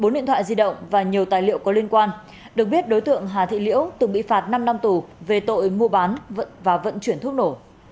bốn điện thoại di động và nhiều tài liệu có liên quan được biết đối tượng hà thị liễu từng bị phạt năm năm tù về tội mua bán và vận chuyển thuốc nổ